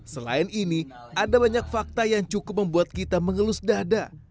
selain ini ada banyak fakta yang cukup membuat kita mengelus dada